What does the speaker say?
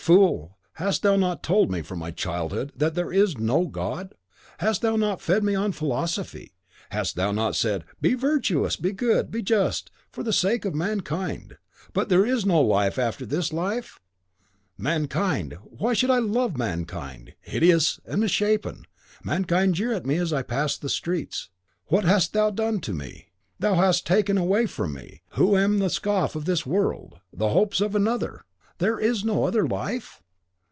Fool! Hast thou not told me, from my childhood, that there is NO God? Hast thou not fed me on philosophy? Hast thou not said, 'Be virtuous, be good, be just, for the sake of mankind: but there is no life after this life'? Mankind! why should I love mankind? Hideous and misshapen, mankind jeer at me as I pass the streets. What hast thou done to me? Thou hast taken away from me, who am the scoff of this world, the hopes of another! Is there no other life?